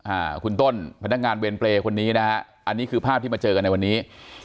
อ่าคุณต้นพนักงานเวรเปรย์คนนี้นะฮะอันนี้คือภาพที่มาเจอกันในวันนี้